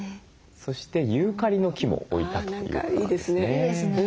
そしてユーカリの木も置いたということなんですね。